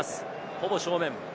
ほぼ正面。